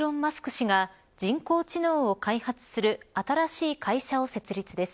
氏が人工知能を開発する新しい会社を設立です。